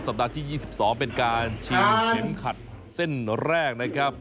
สัปดาห์ที่๒๒เป็นการชิงแชมป์ขัดเส้นแรกนะครับ